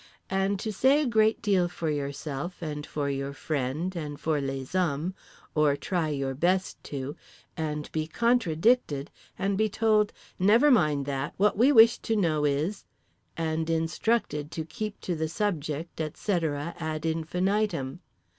—And to say a great deal for yourself and for your friend and for les hommes—or try your best to—and be contradicted, and be told "Never mind that, what we wish to know is," and instructed to keep to the subject, et cetera, ad infinitum.